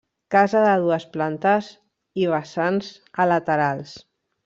Casa de dues plantes i vessants a laterals.